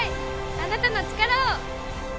あなたの力を！